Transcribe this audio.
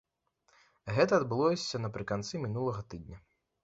Гэта адбылося напрыканцы мінулага тыдня.